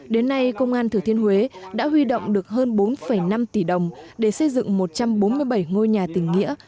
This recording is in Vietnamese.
đến nay công an thừa thiên huế đã huy động được hơn bốn năm tỷ đồng để xây dựng một trăm bốn mươi bảy ngôi nhà tỉnh nghĩa